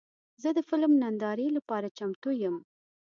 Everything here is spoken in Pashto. زه د فلم نندارې لپاره چمتو یم.